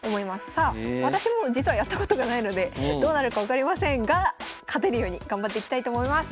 さあ私も実はやったことがないのでどうなるか分かりませんが勝てるように頑張っていきたいと思います。